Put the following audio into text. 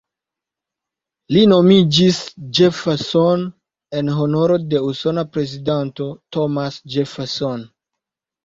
Li nomiĝis "Jefferson" en honoro de usona prezidanto, Thomas Jefferson.